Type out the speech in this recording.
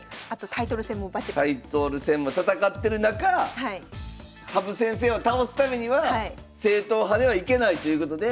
タイトル戦も戦ってる中羽生先生を倒すためには正統派ではいけないということで。